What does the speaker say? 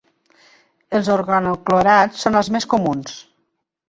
Els organoclorats són els més comuns.